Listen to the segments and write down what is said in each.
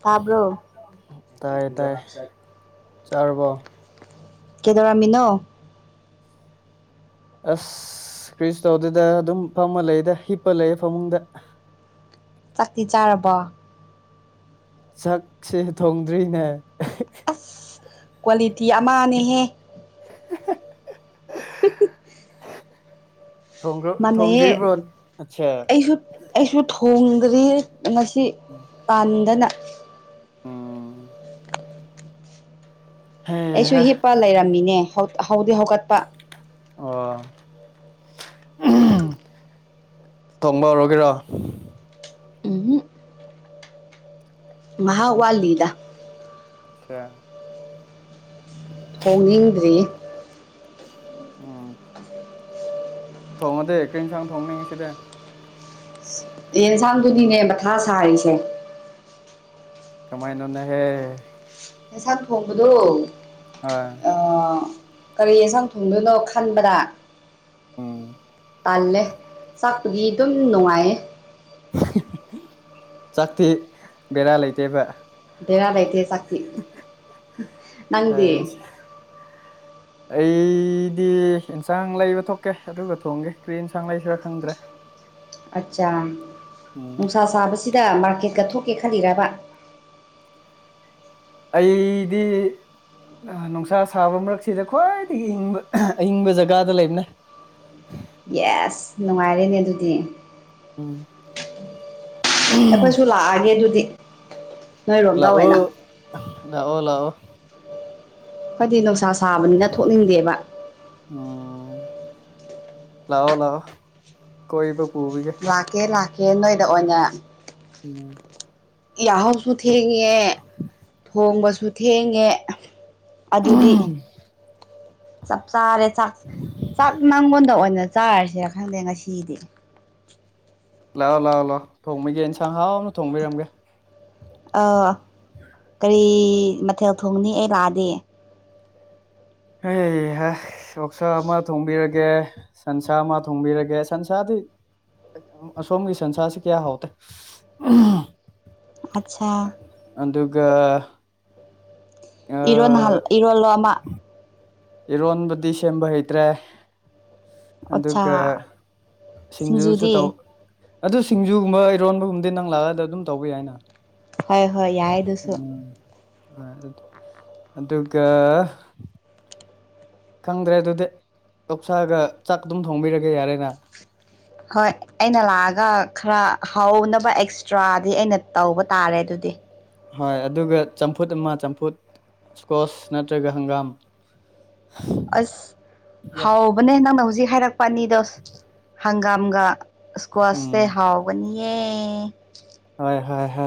ꯊꯥꯕ꯭ꯔꯣ ꯇꯥꯏꯌꯦ ꯇꯥꯏꯌꯦ ꯆꯥꯔꯕꯣ [unintelligible] ꯀꯩꯗꯧꯔꯝꯃꯤꯅꯣ ꯑꯁ ꯀ꯭ꯔꯤꯁꯨ ꯇꯧꯗꯦꯗ ꯑꯗꯨꯝ ꯐꯝꯃ ꯂꯩꯗ ꯍꯤꯞꯄ ꯂꯩꯌꯦ ꯐꯃꯨꯡꯗ [inaudible] ꯆꯥꯛꯇꯤ ꯆꯥꯔꯕꯣ ꯆꯥꯛꯁꯦ ꯊꯣꯡꯗ꯭ꯔꯤꯅꯦ ꯑꯁ ꯀ꯭ꯋꯥꯂꯤꯇꯤ ꯑꯃꯅꯦꯍꯦ [unintelligible] [unintelligible] ꯊꯣꯡꯈ꯭ꯔꯣ ꯃꯥꯟꯅꯩꯌꯦ ꯊꯣꯡꯗ꯭ꯔꯤꯕ꯭ꯔꯣ ꯑꯠꯁꯥ ꯑꯩꯁꯨ ꯑꯩꯁꯨ ꯊꯣ ꯊꯣꯡꯗ꯭ꯔꯤꯌꯦ ꯉꯁꯤ ꯄꯥꯟꯗꯅ ꯎꯝ ꯍꯦ ꯑꯩꯁꯨ ꯍꯦ ꯍꯤꯞꯄ ꯂꯩꯔꯝꯃꯤꯅꯦ ꯍꯧ ꯍꯧꯗꯤ ꯍꯧꯒꯠꯄ ꯑꯣ ꯎꯝ [unintelligible] ꯊꯣꯡꯕ ꯍꯧꯔꯒꯦꯔꯣ ꯎꯝ ꯍꯨꯝ ꯉꯍꯥꯛ ꯎꯝ ꯋꯥꯠ ꯂꯤꯗ [unintelligible] ꯊꯣꯡꯅꯤꯡꯗ꯭ꯔꯤꯌꯦ ꯎꯝ ꯊꯣꯡꯉꯗꯤ ꯀ꯭ꯔꯤ ꯏꯟꯁꯥꯡ ꯊꯣꯡꯅꯤ ꯉꯁꯤꯗꯤ ꯌꯦꯟꯁꯥꯡꯗꯨꯅꯤꯅꯦ ꯃꯊꯥ ꯁꯥꯔꯤꯁꯦ ꯀꯃꯥꯏꯅꯣꯅꯍꯦ ꯌꯦꯟꯁꯥꯡ ꯊꯣꯡꯕꯗꯣ ꯑꯥ ꯀꯔꯤ ꯌꯦꯟꯖꯥꯡ ꯊꯣꯡꯗꯨꯏꯅꯣ ꯈꯟꯕꯗ ꯎꯝ ꯇꯜꯂꯦ ꯆꯥꯛ [unintelligible] ꯑꯗꯨꯝ ꯅꯨꯡꯉꯥꯏꯌꯦ [unintelligible] ꯆꯥꯛꯇꯤ ꯕꯦꯔꯥ ꯂꯩꯇꯦꯕ ꯕꯦꯔ ꯂꯩꯇꯦ ꯆꯥꯛꯇꯤ ꯅꯪꯗꯤ ꯑꯩꯗꯤ ꯑꯦꯟꯁꯥꯡ ꯂꯩꯕ ꯊꯣꯛꯀꯦ ꯑꯗꯨꯒ ꯊꯣꯡꯒꯦ ꯀ꯭ꯔꯤ ꯑꯦꯟꯁꯥꯡ ꯂꯩꯁꯤꯔ ꯈꯪꯗ꯭ꯔꯦ ꯑꯆꯥ ꯎꯝ ꯅꯨꯡꯁꯥ ꯁꯕꯁꯤ ꯗ ꯃꯥꯔꯀꯦꯠꯀ ꯊꯣꯛꯀꯦ ꯈꯜꯂꯤꯔꯕ ꯑꯩꯗꯤ ꯑ ꯅꯨꯡꯁꯥ ꯁꯥꯕ ꯃꯔꯛꯁꯤꯗ ꯈ꯭ꯋꯥꯏꯗꯒꯤ ꯏꯪꯕ ꯑꯏꯪꯕ ꯖꯒꯥꯗ ꯂꯩꯕꯅꯦ ꯌꯦꯁ ꯅꯨꯡꯉꯥꯏꯔꯦꯅꯦ ꯑꯗꯨꯗꯤ ꯎꯝ ꯑꯩꯈꯣꯏꯁꯨ ꯂꯥꯛꯑꯅꯤ ꯑꯗꯨꯗꯤ [unintelligible] ꯑꯣꯏꯅ ꯂꯥꯛꯑꯣ ꯂꯥꯛꯑꯣ ꯂꯥꯛꯑꯣ ꯑꯈꯣꯏꯗꯤ ꯅꯨꯡꯁꯥ ꯁꯥꯕꯅꯤꯅ ꯊꯣꯛꯅꯤꯡꯗꯦꯕ ꯎꯝ ꯂꯥꯛꯑꯣ ꯂꯥꯛꯑꯣ ꯀꯣꯏꯕ ꯄꯨꯕꯤꯒꯦ ꯂꯥꯛꯀꯦ ꯂꯥꯛꯀꯦ ꯅꯣꯏꯗ ꯑꯣꯏꯅ ꯎꯝ ꯌꯥꯍꯧꯁꯨ ꯊꯦꯡꯉꯦ ꯊꯣꯡꯕꯁꯨ ꯊꯦꯡꯉꯦ ꯑꯗꯨꯗꯤ ꯆꯞ ꯆꯥꯔꯦ ꯆꯥꯛ ꯆꯥꯛ ꯅꯪꯉꯣꯟꯗ ꯑꯣꯏꯅ ꯆꯥꯔꯁꯤꯔ ꯈꯪꯗꯦ ꯉꯁꯤꯗꯤ ꯂꯥꯛꯑꯣ ꯂꯥꯛꯑꯣ ꯂꯥꯛꯑꯣ ꯊꯣꯡꯕꯤꯒꯦ ꯏꯟꯁꯥꯡ ꯍꯥꯎꯅ ꯊꯣꯡꯕꯤꯔꯝꯒꯦ ꯑꯥ ꯀꯔꯤ ꯃꯊꯦꯜ ꯊꯣꯡꯅꯤ ꯑꯩ ꯂꯥꯛꯑꯗꯤ ꯍꯩ ꯍꯥ ꯑꯣꯛꯁꯥ ꯑꯃ ꯊꯣꯡꯕꯤꯔꯒꯦ ꯁꯟꯁꯥ ꯑꯃ ꯊꯣꯡꯕꯤꯔꯒꯦ ꯁꯟꯁꯥꯗꯤ ꯑꯁꯣꯝꯒꯤ ꯁꯟꯁꯥꯁꯤ ꯀꯌꯥ ꯍꯥꯎꯇꯦ ꯑꯆꯥ ꯒ ꯏꯔꯣꯜ ꯍꯟ ꯏꯔꯣꯜꯂꯣ ꯑꯃ ꯏꯔꯣꯟꯕꯗꯤ ꯁꯦꯝꯕ ꯍꯩꯇ꯭ꯔꯦ ꯑꯠꯁꯥ ꯑꯗꯨꯒ ꯁꯤꯡꯖꯨꯁꯨ ꯇꯧ ꯁꯤꯡꯖꯨꯗꯤ ꯑꯗꯨ ꯁꯤꯡꯖꯨꯒꯨꯝꯕ ꯏꯔꯣꯟꯕꯒꯨꯝꯕꯗꯤ ꯅꯪ ꯂꯥꯛꯑꯗ ꯑꯗꯨꯝ ꯇꯧꯕ ꯌꯥꯏꯅ ꯍꯣꯏ ꯍꯣꯏ ꯌꯥꯏ ꯑꯗꯨꯁꯨ ꯍ ꯑꯗꯨꯒ ꯈꯪꯗ꯭ꯔꯦ ꯑꯗꯨꯗꯤ ꯑꯣꯛꯁꯥꯒ ꯆꯥꯛ ꯑꯗꯨꯝ ꯊꯣꯡꯕꯤꯔꯒꯦ ꯌꯥꯔꯦꯅ ꯍꯣꯏ ꯑꯩꯅ ꯂꯥꯛꯑꯒ ꯈꯔ ꯍꯥꯎꯅꯕ ꯑꯦꯛꯁꯇ꯭ꯔꯥꯗꯤ ꯑꯩꯅ ꯇꯧꯕ ꯇꯥꯔꯦ ꯑꯗꯨꯗꯤ ꯍꯣꯏ ꯑꯗꯨꯒ ꯆꯝꯐꯨꯠ ꯑꯃ ꯆꯝꯐꯨꯠ ꯏꯁꯀꯣꯁ ꯅꯠꯇ꯭ꯔꯒ ꯍꯪꯒꯥꯝ ꯑꯁ ꯍꯥꯎꯕꯅꯦ ꯅꯪꯅ ꯍꯧꯖꯤꯛ ꯍꯥꯏꯔꯛꯄ ꯑꯅꯤꯗꯣ ꯍꯪꯒꯥꯝꯒ ꯏꯁꯀꯣꯠꯁꯦ ꯎꯝ ꯍꯥꯎꯕꯅꯤꯌꯦ ꯍꯣꯏ ꯍꯣꯏ ꯍꯣꯏ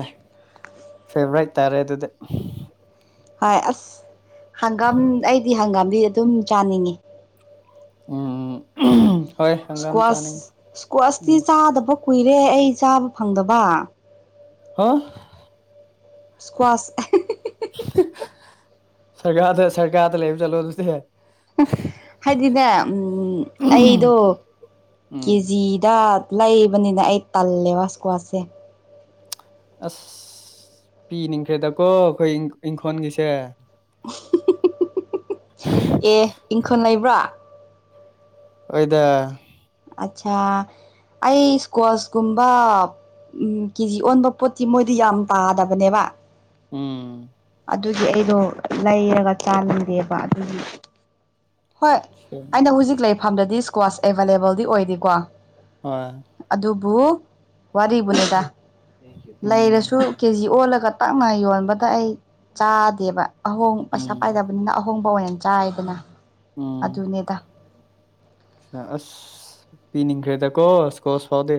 ꯐꯦꯚꯔꯥꯏꯠ ꯇꯥꯔꯦ ꯑꯗꯨꯗꯤ ꯍꯣꯏ ꯑꯁ ꯍꯪꯒꯥꯝ ꯑꯩꯗꯤ ꯍꯪꯒꯥꯝꯗꯤ ꯑꯗꯨꯝ ꯆꯥꯅꯤꯡꯉꯤ ꯑꯨꯝ [inaudible] ꯏꯁꯀ꯭ꯋꯥꯁ ꯏꯁꯀ꯭ꯋꯥꯁꯇꯤ ꯆꯥꯗꯕ ꯀꯨꯏꯔꯦ ꯑꯩ ꯆꯥꯕ ꯐꯪꯗꯕ ꯍꯥ ꯏꯁ꯭ꯀ꯭ꯣꯠꯁ ꯁꯔꯀꯥꯗ ꯁꯔꯀꯥꯗ ꯂꯩꯕ ꯆꯂꯣ ꯑꯗꯨꯗꯤ ꯍꯥꯏꯗꯤꯅꯦ ꯎꯝ ꯑꯩꯗꯣ ꯎꯝ ꯀꯦꯖꯤꯗ ꯂꯩꯕꯅꯤꯅ ꯑꯩ ꯇꯜꯂꯦꯕ ꯏꯁꯀ꯭ꯋꯥꯠꯁꯦ ꯑꯁ ꯄꯤꯅꯤꯡꯈ꯭ꯔꯦꯗꯀꯣ ꯑꯩꯈꯣꯏ ꯏꯪꯈꯣꯟꯒꯤꯁꯦ [inaudible] ꯑꯦ ꯏꯪꯈꯣꯟꯜ ꯂꯩꯕ꯭ꯔꯣ ꯍꯣꯏꯗ ꯑꯠꯆꯥꯥ ꯑꯩ ꯏꯁꯀꯁꯀꯨꯝꯕ ꯎꯝ ꯀꯦꯖꯤ ꯑꯣꯟꯕ ꯄꯣꯠꯇꯤ ꯃꯣꯏꯗꯤ ꯌꯥꯝ ꯄꯥꯗꯕꯅꯦꯕ ꯎꯝ ꯑꯗꯨꯒꯤ ꯑꯩꯗꯣ ꯂꯩꯔꯒ ꯆꯥꯅꯤꯡꯗꯦꯕ ꯑꯗꯨꯒꯤ ꯍꯣꯏ ꯑꯩꯅ ꯍꯣꯏ ꯍꯧꯖꯤꯛ ꯂꯩꯐꯝꯗꯗꯤ ꯏꯁꯀ꯭ꯋꯥꯁ ꯑꯦꯕꯥꯏꯂꯦꯕꯜꯗꯤ ꯑꯣꯏꯗꯦꯀꯣ ꯍꯣꯏ ꯕꯨ ꯋꯥꯔꯤꯕꯨꯅꯤꯗ ꯎꯝ ꯂꯩꯔꯁꯨ ꯀꯦꯖꯤꯑꯣꯜꯒ ꯒꯇꯥꯡꯅ ꯌꯣꯟꯕꯗ ꯑꯩ ꯆꯥꯗꯦꯕ ꯑꯍꯣꯡ ꯄꯩꯁꯥ ꯎꯝ ꯄꯥꯏꯗꯕꯅꯤꯅ ꯑꯍꯣꯡ ꯑꯍꯣꯡꯕ ꯑꯣꯏꯅ ꯆꯥꯏꯗꯅ ꯎꯝ ꯑꯗꯨꯅꯦꯗ ꯑꯁ ꯄꯤꯅꯤꯡꯈ꯭ꯔꯦꯗ ꯀꯣꯁ ꯀꯣꯁ ꯐꯥꯎꯗꯤ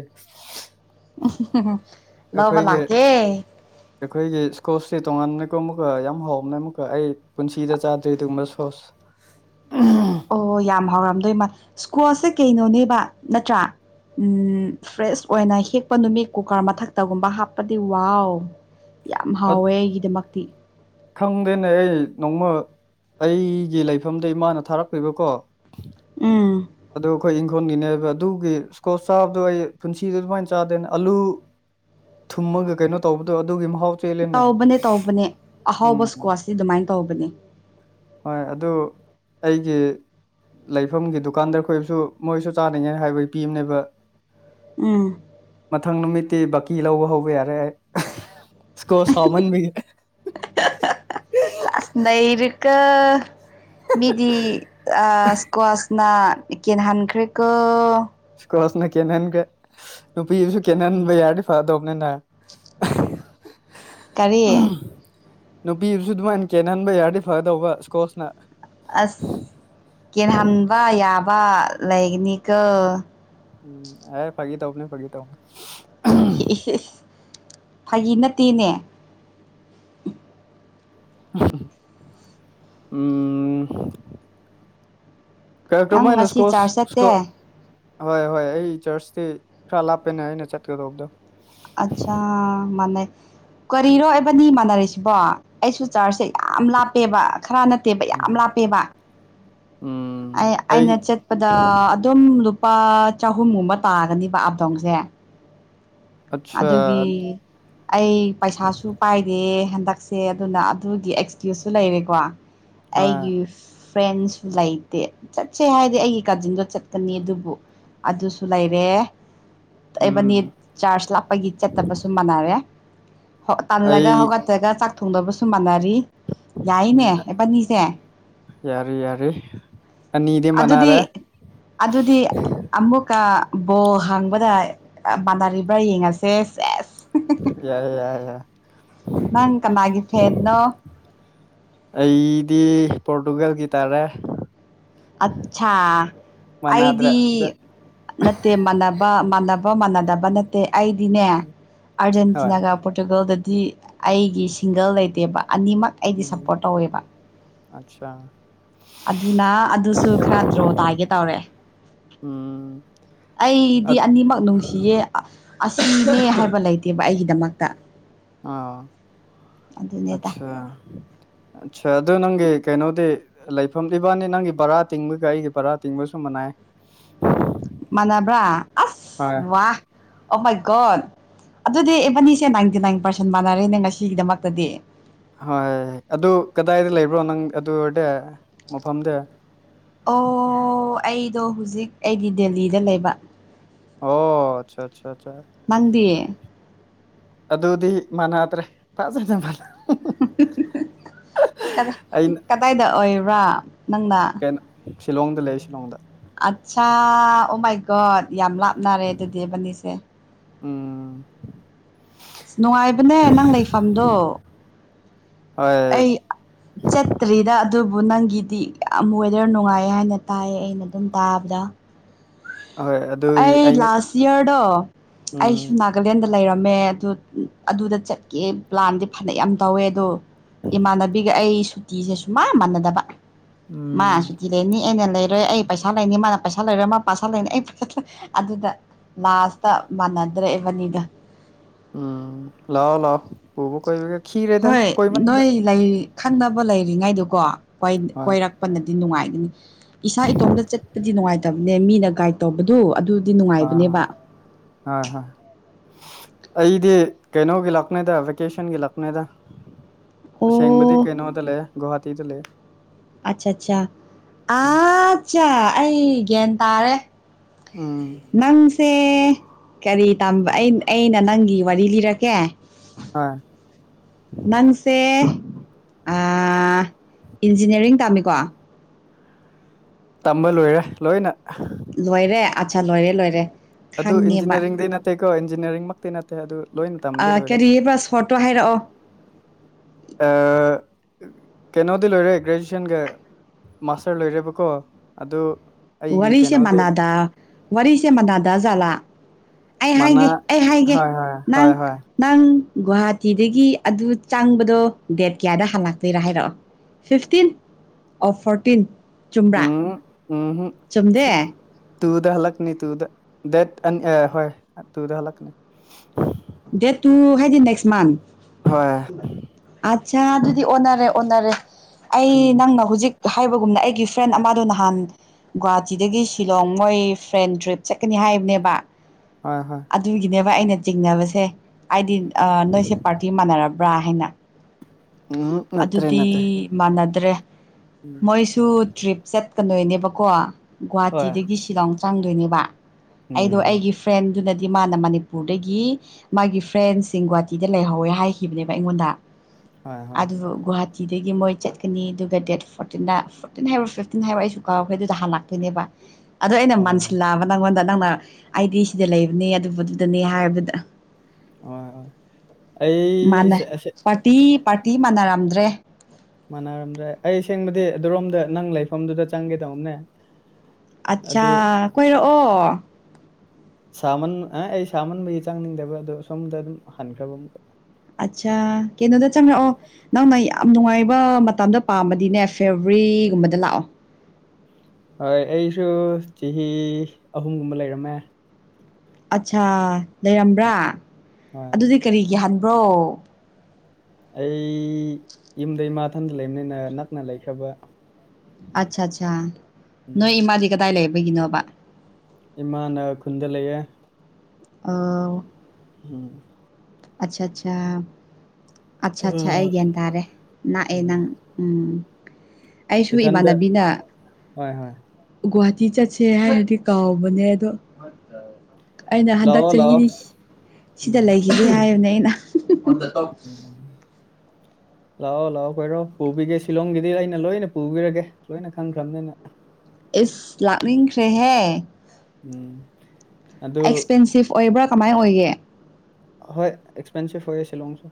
ꯂꯧꯕ ꯑꯩꯈꯣꯏꯒꯤ ꯂꯥꯛꯀꯦ ꯑꯩꯈꯣꯏꯒꯤ ꯏꯁꯀꯣꯁꯁꯤ ꯇꯣꯉꯥꯟꯅ ꯊꯣꯡꯕꯀꯣ ꯌꯥꯝ ꯍꯥꯎꯕꯅꯦ ꯑꯃꯨꯛꯀ ꯑꯩ ꯄꯨꯟꯁꯤꯗ ꯆꯥꯗ꯭ꯔꯤ ꯑꯗꯨꯒꯨꯝꯕ ꯁꯣꯁ ꯑꯣ ꯌꯥꯝ ꯍꯥꯎꯔꯝꯗꯣꯏ ꯃꯥ ꯁ꯭ꯀꯣꯁꯦ ꯀꯩꯅꯣꯅꯦꯕ ꯅꯠꯇ꯭ꯔꯥ ꯎꯃ ꯐ꯭ꯔꯦꯁ ꯑꯣꯏꯅ ꯍꯦꯛꯄ ꯅꯨꯃꯤꯠ ꯀꯨꯀꯔ ꯃꯊꯛꯇꯒꯨꯝꯕ ꯍꯥꯞꯄꯗꯤ ꯋꯥꯎ ꯌꯥꯝ ꯍꯥꯎꯋꯦ ꯑꯩꯒꯤꯗꯃꯛꯇꯤ ꯈꯪꯗꯦꯅꯦ ꯑꯩ ꯅꯣꯡꯃ ꯑꯩꯒꯤ ꯂꯩꯐꯝꯗ ꯏꯃꯥꯅ ꯊꯥꯔꯛꯇꯩꯕꯀꯣ ꯎꯝ ꯑꯗꯣ ꯑꯩꯈꯣꯏ ꯏꯈꯣꯟꯒꯤꯅꯦꯕ ꯑꯗꯨꯒꯤ ꯏ꯭ꯁꯀꯣꯁ ꯆꯥꯕꯗꯣ ꯑꯩ ꯄꯨꯟꯁꯤꯗ ꯑꯗꯨꯃꯥꯏꯟ ꯆꯥꯗꯦꯅ ꯑꯂꯨ ꯊꯨꯝꯃꯒ ꯀꯩꯅꯣ ꯇꯧꯕꯗꯣ ꯑꯗꯨꯒꯤ ꯃꯍꯥꯎ ꯆꯦꯜꯂꯦꯅꯦ ꯇꯧꯕꯅꯦ ꯇꯧꯕꯅꯦ ꯑꯍꯥꯎꯕ ꯎꯝ ꯏꯁꯀ꯭ꯋꯥꯗꯤ ꯑꯗꯨꯃꯥꯏ ꯇꯧꯕꯅꯦ ꯍꯣꯏ ꯑꯗꯨ ꯑꯩꯒꯤ ꯂꯩꯐꯝꯒꯤ ꯗꯨꯀꯥꯟꯗ ꯑꯩꯈꯣꯏꯁꯨ ꯃꯣꯏꯁꯨ ꯆꯥꯅꯤꯡꯉꯥꯏꯅ ꯍꯥꯏꯕꯩ ꯄꯤꯕꯅꯦꯕ ꯎꯝ ꯃꯊꯪ ꯅꯨꯃꯤꯠꯇꯤ ꯕꯥꯀꯤ ꯂꯧꯕ ꯍꯧꯕ ꯌꯥꯔꯦ ꯏ꯭ꯁꯀꯣꯁ ꯍꯥꯎꯃꯟꯕꯒꯤ ꯗ ꯃꯤꯗꯤ ꯑꯥ ꯏ꯭ꯁꯀ꯭ꯋꯥꯁꯅ ꯏꯀꯦꯟ ꯍꯥꯟꯈ꯭ꯔꯦꯀꯣ ꯀ꯭ꯔꯣꯁꯅ ꯀꯦꯟꯍꯟꯒ꯭ꯔꯦ ꯅꯨꯄꯤꯕꯨꯁꯨ ꯀꯦꯍꯟꯕ ꯌꯥꯔꯗꯤ ꯐꯗꯧꯅꯤꯅꯦ [unintelligible] ꯀꯔꯤ ꯅꯨꯄꯤꯕꯨꯁꯨ ꯑꯗꯨꯃꯥꯏꯅ ꯀꯦꯟꯍꯟꯕ ꯌꯥꯔꯗꯤ ꯐꯒꯗꯧꯕ ꯁ꯭ꯀꯣꯁꯅ ꯑ꯭ꯁ ꯀꯦꯟꯍꯟꯕ ꯌꯥꯕ ꯂꯩꯒꯅꯤꯀꯣ ꯎꯝ ꯑꯦ ꯐꯥꯒꯤ ꯇꯧꯕꯅꯦ ꯐꯥꯒꯤ ꯇꯧ ꯏꯁ ꯏꯁ ꯐꯥꯒꯤ ꯅꯠꯇꯦꯅꯦ ꯎꯝ ꯅꯪ ꯀ꯭ꯔꯗꯨꯃꯥꯏꯅ ꯉꯁꯤ ꯁ꯭ꯀꯣꯁ ꯆꯥꯔꯖ ꯆꯠꯇꯦ ꯁꯀꯣꯠ ꯍꯣꯏ ꯍꯣꯏ ꯑꯩ ꯆ꯭ꯔꯁꯇꯤ ꯈꯔ ꯂꯥꯞꯄꯦꯅꯦ ꯑꯩꯅ ꯆꯠꯀꯗꯧꯗꯣ ꯑꯆꯥ ꯃꯅ ꯀꯔꯤꯔꯣ ꯑꯦꯕꯥꯅꯤ ꯃꯥꯟꯅꯔꯤꯁꯤꯕꯣ ꯑꯩꯁꯨ ꯆꯥꯔꯁꯁꯦ ꯌꯥꯝ ꯂꯥꯞꯄꯦꯕ ꯈꯔ ꯅꯠꯇꯦꯕ ꯌꯥꯝ ꯎꯝ ꯂꯥꯞꯄꯦꯕ ꯑꯩ ꯑꯩꯅ ꯆꯠꯄꯗ ꯑꯗꯨꯝ ꯂꯨꯞ ꯂꯨꯄꯥ ꯆꯍꯨꯝꯒꯨꯝꯕ ꯇꯥꯒꯅꯤꯕ ꯑꯞ ꯗꯥꯎꯟꯁꯦ ꯑꯠꯆꯥ ꯑꯗꯨꯒꯤ ꯑꯩ ꯄꯩꯁꯥꯁꯨ ꯄꯥꯏꯗꯦ ꯍꯟ ꯇꯛꯁꯦ ꯑꯗꯨꯅ ꯑꯗꯨꯒꯤ ꯑꯦꯛꯁꯀ꯭ꯌꯨꯁꯁꯨ ꯂꯩꯔꯦꯀꯣ ꯍꯣꯏ ꯑꯩꯒꯤ ꯐ꯭ꯔꯦꯟꯁꯨ ꯂꯩꯇꯦ ꯆꯠꯁꯦ ꯍꯥꯏꯗꯤ ꯑꯩꯒꯤ ꯀꯥꯖꯤꯟꯗꯣ ꯆꯠꯀꯅꯤ ꯑꯗꯨꯕꯨ ꯑꯗꯨꯁꯨ ꯂꯩꯔꯦ ꯎꯝ ꯑꯩꯕꯥꯅꯤ ꯆꯥꯔꯖ ꯂꯥꯞꯄꯒꯤ ꯆꯠꯇꯕꯁꯨ ꯃꯥꯟꯅꯔꯦ ꯍꯣ ꯇꯟꯂꯒ ꯑꯩ ꯍꯧꯒꯠꯇꯔꯒ ꯆꯥꯛ ꯊꯣꯡꯗꯕꯁꯨ ꯃꯥꯟꯅ ꯔꯤ ꯎꯝ ꯌꯥꯏꯅꯦ ꯑꯦꯕꯅꯤꯁꯦ ꯌꯥꯔꯦ ꯌꯥꯔꯦ ꯑꯅꯤꯗꯤ ꯑꯗꯨꯗꯤ ꯃꯅꯥꯔꯦ ꯑꯗꯨꯗꯤ ꯑꯃꯨꯛꯀ ꯕꯣ ꯍꯥꯡꯕꯗ ꯑꯥ ꯃꯥꯟꯅꯔꯤꯕ꯭ꯔ ꯌꯦꯡꯉꯁꯦ ꯁꯦꯁ ꯌꯥꯏ ꯌꯥꯏ ꯌꯥꯏ ꯅꯪ ꯀꯅꯥꯒꯤ ꯐꯦꯟꯅꯣ ꯑꯩꯗꯤ ꯄꯣꯔꯇꯨꯒꯜꯒꯤ ꯇꯥꯔꯦ ꯑꯠꯁꯥ ꯃꯅꯥꯗ꯭ꯔꯦ ꯑꯩꯗꯤ ꯑꯗ ꯅꯠꯇꯦ ꯃꯥꯟꯅꯕ ꯃꯥꯟꯅ ꯕ ꯃꯥꯟꯅꯗꯕ ꯅꯠꯇꯦ ꯑꯩꯗꯤꯅꯦ ꯍꯣꯏ ꯑꯥꯔꯖꯦꯟꯇꯤꯅꯥꯒ ꯄꯣꯔꯇꯨꯒꯜꯗ ꯗꯤ ꯑꯩꯒꯤ ꯁꯤꯡꯒꯜ ꯂꯩꯇꯦꯕ ꯑꯅꯤꯃꯛ ꯑꯩꯗꯤ ꯁꯞꯄꯣꯔꯠ ꯇꯧꯋꯦꯕ ꯑꯠꯁꯥ ꯑꯗꯨꯅ ꯑꯗꯨꯁꯨ ꯈ꯭ꯔ ꯗ꯭ꯔꯣ ꯇꯥꯒꯦ ꯇꯧꯔꯦ ꯎꯝ ꯑꯩꯗꯤ ꯑꯥ ꯑꯅꯤꯃꯛ ꯅꯨꯡꯁꯤꯌꯦ ꯑ꯭ꯁ ꯑꯁꯤꯅꯦ ꯍꯥꯏꯕ ꯂꯩꯇꯦꯕ ꯑꯩꯒꯤꯗꯃꯛꯇ ꯑ ꯑꯗꯨꯅꯦꯗ ꯑꯠꯁꯥ ꯑꯠꯆꯥ ꯑꯗꯨ ꯅꯪꯒꯤ ꯀꯩꯅꯣꯗꯤ ꯂꯩꯐꯝ ꯏꯕꯥꯅꯤ ꯅꯪꯒꯤ ꯕꯔꯥ ꯇꯤꯡꯕꯒ ꯑꯩꯒꯤ ꯕꯔꯥ ꯇꯤꯡꯕꯁꯨ ꯃꯟꯅꯩ [inaudible] ꯃꯥꯟꯅꯕ꯭ꯔꯥ ꯑꯁ ꯍꯣꯏ ꯋꯥ ꯑꯣ ꯃꯥꯏ ꯒꯣꯠ ꯑꯗꯨꯗꯤ ꯑꯦꯕꯅꯤꯁꯦ ꯅꯥꯏꯟꯇꯤ ꯅꯥꯏꯟ ꯄꯥꯔꯁꯦꯟ ꯃꯥꯟꯅꯔꯦꯅꯦ ꯉꯁꯤꯒꯤꯗꯃꯛꯇꯗꯤ ꯍꯣꯏ ꯑꯗꯨ ꯀꯗꯥꯏꯗ ꯂꯩꯕ꯭ꯔꯣ ꯅꯪ ꯑꯗꯨ ꯑꯣꯏꯔꯗꯤ ꯃꯐꯝꯗꯤ ꯑꯣ ꯑꯩꯗꯣ ꯍꯧꯖꯤꯛ ꯑꯩꯒꯤ ꯗꯦꯜꯂꯤꯗ ꯂꯩꯕ ꯑꯣ ꯑꯆꯥ ꯑꯆꯥ ꯅꯪꯗꯤ ꯑꯗꯨꯗꯤ ꯃꯥꯟꯅꯗ꯭ꯔꯦ ꯐꯥꯖꯅ ꯃꯥꯟꯅ ꯀꯗ ꯑꯩꯅ ꯀꯗꯥꯏꯗ ꯑꯣꯏꯕ꯭ꯔꯥ ꯅꯪꯅ ꯀꯩꯅꯣ ꯁꯤꯂꯣꯡꯗ ꯂꯩ ꯁꯤꯂꯣꯡꯗ ꯑꯠꯆꯥꯥ ꯑꯣ ꯃꯥꯏ ꯒꯣꯠ ꯌꯥꯝ ꯂꯥꯞꯅꯔꯦ ꯑꯗꯨꯗꯤ ꯑꯦꯕꯅꯤꯁꯦ ꯎꯝ ꯑꯁ ꯅꯨꯡꯉꯥꯏꯕꯅꯦ ꯅꯪ ꯂꯩꯐꯝꯗꯣ ꯍꯣꯏ ꯑꯩ ꯆꯠꯇ꯭ꯔꯤꯗ ꯑꯗꯨ ꯑꯣ ꯅꯪꯒꯤꯗꯤ ꯌꯥꯝ ꯋꯦꯗꯔ ꯅꯨꯡꯉꯥꯏ ꯍꯥꯏꯅ ꯇꯥꯏꯑ ꯑꯩꯅ ꯑꯗꯨꯝ ꯇꯥꯕꯗ ꯍꯣꯏ ꯑꯗꯨꯒꯤ ꯑꯩ ꯑꯩꯅ ꯂꯥꯁ ꯌꯌꯥꯔꯗꯣ ꯎꯝ ꯑꯩꯁꯨ ꯅꯥꯒꯥꯂꯦꯟꯗ ꯂꯩꯔꯝ ꯃꯦ ꯑꯗꯨ ꯑꯗꯨꯗ ꯆꯠꯀꯦ ꯄ꯭ꯂꯥꯟꯗꯤ ꯐꯅ ꯌꯥꯝ ꯇꯧꯋꯦ ꯑꯗꯣ ꯏꯃꯥꯟꯅꯕꯤꯒ ꯑꯩ ꯁꯨꯇꯤꯁꯦ ꯁꯨꯡ ꯃꯥ ꯃꯥꯟꯅꯗꯕ ꯃꯥ ꯎꯝ ꯁꯨꯇꯤ ꯂꯩꯅꯤ ꯑꯩꯅ ꯂꯩꯔꯣꯏ ꯑꯩ ꯄꯩꯁꯥ ꯂꯩꯅꯤ ꯃꯥꯅ ꯄꯩꯁꯥ ꯂꯩꯔꯣꯏ ꯃꯥ ꯄꯁꯥ ꯂꯩꯅ ꯑꯩ ꯐꯠꯇ꯭ꯔꯦ ꯑꯗꯨꯗ ꯂꯥꯁꯇ ꯃꯥꯟꯅꯗ꯭ꯔꯦ ꯏꯕꯥꯟꯅꯤꯗꯣ ꯎꯝ ꯂꯑꯣ ꯂꯑꯣ ꯄꯕꯨ ꯀꯣꯏꯕꯒ ꯈꯤꯔꯦꯗ ꯍꯣꯏ ꯀꯣꯏ ꯃꯟ ꯅꯣꯏ ꯂꯩ ꯈꯪꯅꯕ ꯂꯩꯔꯤꯉꯩꯗꯨꯀꯣ ꯀꯣꯏ ꯍꯣꯏ ꯀꯣꯏꯔꯛꯄꯅꯗꯤ ꯅꯨꯡꯉꯥꯏꯒꯅꯤ ꯏꯁꯥ ꯏꯇꯣꯝꯇ ꯆꯠꯄꯗꯤ ꯅꯨꯡꯉꯥꯏꯇꯕꯅꯦ ꯃꯤꯅ ꯒꯥꯏꯠ ꯇꯧꯕꯗꯨ ꯑꯗꯨꯗꯤ ꯍꯣꯏ ꯍꯣꯏ ꯅꯨꯡꯉꯥꯏꯕꯅꯦꯕ ꯍꯣꯏ ꯍꯣꯏ ꯑꯩꯗꯤ ꯀꯩꯅꯣꯒꯤ ꯂꯥꯛꯄꯅꯤꯗ ꯚꯦꯀꯦꯁꯟꯒꯤ ꯂꯥꯛꯄꯅꯤꯗ ꯑꯣ ꯑꯁꯦꯡꯕꯗꯤ ꯀꯩꯅꯣꯗ ꯂꯩꯌꯦꯣ ꯒꯋꯥꯍꯥꯇꯤꯗ ꯂꯩ ꯑꯠꯆꯥꯆꯥ ꯑꯥ ꯆꯥ ꯑꯩ ꯒ꯭ꯌꯥꯟ ꯇꯥꯔꯦ ꯎꯝ ꯅꯪꯁꯦ ꯑꯦ ꯀꯔꯤ ꯇꯝꯕ ꯑꯩ ꯑꯩꯅ ꯅꯪꯒꯤ ꯋꯥꯔꯤ ꯂꯤꯔꯛꯀꯦ ꯍꯣꯏ ꯅꯪꯁꯦ ꯑ ꯏꯟꯖꯤꯅꯤꯌꯥꯔꯤꯡ ꯇꯝꯃꯤꯀꯣ ꯇꯝꯕ ꯂꯣꯏꯔꯦ ꯂꯣꯏꯅ ꯂꯣꯏꯔꯦ ꯑꯠꯆꯥ ꯂꯣꯏꯔꯦ ꯂꯣꯏꯔꯦ ꯑꯗꯨ ꯈꯪꯉꯦꯕ ꯏꯟꯖꯤꯅꯤꯌꯥꯔꯤꯡꯗꯤ ꯅꯠꯇꯦꯀꯣ ꯏꯟꯖꯤꯅꯤꯌꯥꯔꯤꯡꯃꯛꯇꯤ ꯅꯠꯇꯦ ꯑꯗꯨ ꯂꯣꯏꯅ ꯇꯝꯗꯤ ꯑꯥ ꯂꯣꯏꯔꯦ ꯀꯔꯤ ꯕꯁ ꯣꯠꯇꯣ ꯍꯥꯏꯔꯛꯑꯣ ꯑ ꯀꯩꯅꯣꯗꯤ ꯂꯣꯏꯔꯦ ꯒ꯭ꯔꯦꯖꯨꯌꯦꯁꯟꯒ ꯃꯥꯁꯇꯔ ꯂꯣꯏꯔꯦꯕꯀꯣ ꯑꯗꯨ ꯑꯩꯒꯤ ꯋꯥꯔꯤꯔꯤꯁꯦ ꯀꯩꯅꯣꯗꯤ ꯃꯅꯥꯗꯥ ꯋꯥꯔꯤꯔꯤꯁꯦ ꯃꯅꯥꯗꯥꯖꯥꯠꯂ ꯑꯩ ꯃꯅꯥ ꯍꯥꯏꯒꯦ ꯑꯩ ꯍꯥꯏꯒꯦ ꯍꯣꯏ ꯍꯣꯏ ꯅꯪ ꯍꯣꯏ ꯍꯣꯏ ꯅꯪ ꯒꯨꯍꯥꯇꯤꯗꯒꯤ ꯑꯗꯨ ꯆꯪꯕꯗꯣ ꯗꯦꯠ ꯀꯌꯥꯗ ꯍꯜꯂꯇꯣꯏꯔꯥ ꯍꯥꯏꯔꯛꯑꯣ ꯐꯤꯐꯇꯤꯟ ꯑꯣꯔ ꯐꯣꯔꯇꯤꯟ ꯆꯨꯝꯕ꯭ꯔꯥ ꯎꯝ ꯍꯨ ꯆꯨꯝꯗꯦ ꯇꯨꯗ ꯍꯂꯛꯅꯤ ꯇꯨꯗ ꯗꯦꯠ ꯑꯅ ꯑ ꯍꯣꯏ ꯇꯨꯗ ꯍꯜꯂꯛꯀꯅꯤ ꯗꯦꯠ ꯇꯨ ꯍꯥꯏꯗꯤ ꯅꯦꯛꯁ ꯃꯟ ꯍꯣꯏ ꯁꯦ ꯑꯗꯨꯗꯤ ꯑꯣꯟꯅꯔꯦ ꯑꯣꯟꯅꯔꯦ ꯎꯝ ꯑꯩ ꯅꯪꯅ ꯍꯧꯖꯤꯛ ꯍꯥꯏꯕꯒꯨꯝꯅ ꯑꯩꯒꯤ ꯐ꯭ꯔꯦꯟ ꯑꯃꯗꯣ ꯅꯍꯥꯟ ꯒꯨꯍꯥꯇꯤꯗꯒꯤ ꯁꯤꯂꯣꯡ ꯃꯣꯏ ꯐ꯭ꯔꯦꯟ ꯇ꯭ꯔꯤꯞ ꯆꯠꯀꯅꯤ ꯍꯥꯏꯕꯅꯦꯕ ꯍꯣꯏ ꯍꯣꯏ ꯑꯗꯨꯒꯤꯅꯦꯕ ꯑꯩꯅ ꯆꯤꯡꯅꯕꯁꯦ ꯁꯦ ꯑꯩꯗꯤ ꯑꯥ ꯅꯣꯏꯁꯦ ꯄꯥꯔꯇꯤ ꯃꯥꯟꯅꯔꯕ꯭ꯔꯥ ꯍꯥꯏꯅ ꯎꯝ ꯅꯠꯇ꯭ꯔꯦ ꯑꯗꯨꯗꯤ ꯅꯠꯇ꯭ꯔꯦ ꯃꯥꯟꯅꯗꯦ ꯠꯇ꯭ꯔꯦ ꯎꯝ ꯃꯣꯏꯁꯨ ꯇ꯭ꯔꯤꯞ ꯆꯠꯀꯗꯣꯏ ꯅꯦꯕꯀꯣ ꯍꯣꯏ ꯒꯨꯍꯥꯇꯤꯗꯒꯤ ꯁꯤꯂꯣꯡ ꯆꯪꯗꯣꯏꯅꯦꯕ ꯑꯩꯗꯣ ꯎꯝ ꯑꯩꯒꯤ ꯐ꯭ꯔꯦꯟꯗꯨꯅꯗꯤ ꯗꯤ ꯃꯥꯅ ꯃꯅꯤꯄꯨꯔꯗꯒꯤ ꯃꯥꯒꯤ ꯐ꯭ꯔꯦꯟꯁꯤꯡ ꯒꯨꯍꯥꯇꯤꯗ ꯂꯩꯍꯧꯋꯦ ꯍꯥꯏꯈꯤꯕꯅꯦꯕ ꯑꯩꯉꯣꯟꯗ ꯍꯣꯏ ꯍꯣꯏ ꯑꯗꯨꯗ ꯒꯋꯥꯍꯥꯇꯤ ꯇꯤꯗꯒꯤ ꯃꯣꯏ ꯆꯠꯀꯅꯤ ꯑꯗꯨꯒ ꯗꯦꯠ ꯇꯤꯗꯒꯤ ꯃꯣꯏ ꯆꯠꯀꯅꯤ ꯗꯨꯒꯥ ꯗꯦꯠ ꯐꯣꯔꯇꯤꯟꯗ ꯐꯣꯔꯇꯤꯟ ꯍꯥꯏꯕꯣ ꯐꯤꯐꯇꯤꯟ ꯍꯥꯏꯕꯔꯣ ꯑꯩꯁꯨ ꯀꯥꯎꯔꯈꯦ ꯑꯗꯨꯗ ꯍꯥꯟꯂꯛꯇꯣꯏ ꯅꯦꯕ ꯂꯥꯛꯇꯣꯏꯅꯦꯕ ꯑꯗꯣ ꯑꯩꯅ ꯍꯣꯏ ꯃꯟꯁꯤꯜꯂꯛꯑꯕ ꯅꯪꯉꯣꯟꯗ ꯅꯪꯅ ꯑꯩꯗꯤ ꯁꯤꯗ ꯂꯩꯕꯅꯦ ꯑꯗꯨꯗꯨꯗꯅꯦ ꯍꯥꯏꯕꯗ ꯍꯣꯏ ꯃꯥꯅ ꯑꯩꯁꯦ ꯑꯁꯦ ꯐꯇꯤ ꯃꯥꯟꯅꯔꯝꯗ꯭ꯔꯦ ꯃꯥꯟꯅꯔꯝꯗ꯭ꯔꯦ ꯑꯩꯑꯁꯦꯡꯕꯗꯤ ꯑꯗꯨꯔꯣꯝꯗ ꯅꯪ ꯂꯩꯐꯝꯗꯨꯗ ꯆꯪꯒꯦꯗꯧꯅꯦ ꯑꯠꯆꯥ ꯀꯣꯏꯔꯛꯑꯣ ꯁꯥꯃꯟ ꯑꯩ ꯁꯥꯃꯟꯕꯒꯤ ꯆꯪꯅꯤꯡꯗꯕ ꯑꯗꯣ ꯁꯣꯝꯗ ꯑꯗꯨꯝ ꯍꯟꯈ꯭ꯔꯕ ꯑꯃꯨꯛ ꯑꯠꯆꯥ ꯀꯩꯅꯣꯗ ꯆꯪꯉꯛꯑꯣ ꯅꯪꯅ ꯌꯥꯝ ꯅꯨꯡꯉꯥꯏꯕ ꯃꯇꯝꯗ ꯄꯥꯝꯃꯗꯤꯅꯦ ꯐꯦꯕꯔꯤꯒꯨꯝꯕꯗ ꯂꯥꯛꯑꯣ ꯍꯣꯏ ꯑꯩꯁꯨ ꯆꯍꯤ ꯑꯍꯨꯝꯒꯨꯝꯕ ꯂꯩꯔꯝꯃꯦ ꯑꯠꯆꯥꯥ ꯂꯩꯔꯝꯕ꯭ꯔꯥ ꯍꯣꯏ ꯑꯗꯨꯗꯤ ꯀꯔꯤ ꯌꯥꯍꯟꯕ꯭ꯔꯣ ꯑꯩ ꯌꯨꯝꯗ ꯏꯃꯥ ꯏꯊꯟꯗ ꯂꯩꯕꯅꯤꯅ ꯅꯛꯅ ꯂꯩꯈ꯭ꯔꯕ ꯑꯠꯆꯥ ꯑꯆꯥ ꯎꯝ ꯅꯣꯏ ꯏꯃꯥꯗꯤ ꯀꯗꯥꯏ ꯂꯩꯕꯒꯤꯅꯣꯕ ꯏꯃꯥꯅ ꯈꯨꯟꯗ ꯂꯩꯌꯦꯦ ꯑꯣ ꯎꯝ ꯑꯆꯥ ꯑꯆꯥ ꯑꯠꯆꯥ ꯑ ꯑꯠꯆꯥꯥ ꯑꯩ ꯒ꯭ꯌꯥꯟ ꯇꯥꯔꯦ ꯂꯅꯥꯥꯛꯑꯦ ꯎꯝ ꯅꯪ ꯎꯝ ꯑꯩꯁꯨ ꯏꯊꯟꯗ ꯏꯃꯥꯟꯅꯕꯤꯅ ꯍꯣꯏ ꯍꯣꯏ ꯒꯨꯍꯥꯇꯤ ꯆꯠꯁꯦ ꯍꯥꯏꯔꯗꯤ ꯀꯥꯎꯕꯅꯦ ꯑꯗꯣ ꯑꯩꯅ ꯍꯟꯗꯛ ꯂꯥꯛꯑꯣ ꯂꯥꯛꯑꯣ ꯆꯍꯤꯅꯤ ꯁꯤꯗ ꯎꯝ ꯂꯩꯈꯤꯗꯦ ꯍꯥꯏꯕꯅꯦ ꯑꯩꯅ ꯍꯤꯍꯤꯍꯤ ꯎꯝ ꯂꯥꯛꯑꯣ ꯂꯥꯛꯑꯣ ꯀꯣꯏꯔꯣ ꯄꯨꯕꯤꯒꯦ ꯁꯤꯂꯣꯡꯒꯤꯗꯤ ꯑꯩꯅ ꯂꯣꯏꯅ ꯄꯨꯕꯤꯔꯒꯦ ꯂꯣꯏꯅ ꯈꯪꯈ꯭ꯔꯕꯅꯤꯅꯥ ꯏꯁ ꯂꯥꯛꯅꯤꯡꯈ꯭ꯔꯦꯍꯦ ꯎꯝ ꯑꯗꯨ ꯑꯦꯛꯁꯄꯦꯟꯁꯤꯞ ꯑꯣꯏꯕ꯭ꯔꯥ ꯀꯃꯥꯏꯅ ꯑꯣꯏꯒꯦ ꯍꯣꯏ ꯑꯦꯛꯁꯄꯦꯟꯁꯤꯚ ꯑꯣꯏ ꯌꯦ ꯁꯤꯂꯣꯡꯣꯡꯁꯨ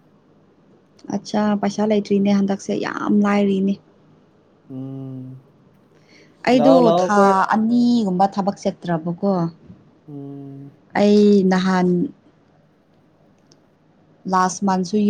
ꯑꯠꯆꯥ ꯄꯩꯁꯥ ꯂꯩꯇ꯭ꯔꯤꯅꯦ ꯍꯟꯗꯛꯁꯦ ꯌꯥꯝ ꯂꯥꯏꯔꯤꯅꯦ ꯎꯝ ꯑꯩꯗꯣ ꯂꯥꯛꯑꯣ ꯂꯥꯛꯑꯣ ꯊꯥ ꯑꯩꯈꯣꯏ ꯑꯅꯤꯒꯨꯝꯕ ꯊꯕꯛ ꯆꯠꯇ꯭ꯔꯕꯀꯣ ꯎꯝ ꯑꯩ ꯅꯍꯥꯟ ꯥꯂꯥꯁ ꯃꯊꯁꯨ ꯌꯝ